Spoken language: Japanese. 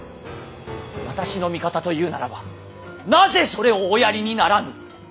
私の味方というならばなぜそれをおやりにならぬ！